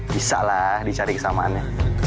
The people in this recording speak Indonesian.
bisa lah dicari kesamaannya